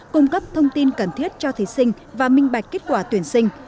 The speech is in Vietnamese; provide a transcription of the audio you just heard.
cung cấp thông tin cần thiết cho thí sinh và minh bạch kết quả tuyển sinh